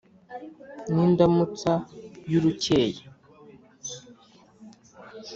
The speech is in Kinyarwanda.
ni indamutsa y’urukeye